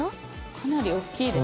かなりおっきいです。